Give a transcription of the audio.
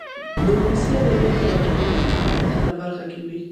د ولسي ادبياتو راټولو که هغه په هره برخه کې وي.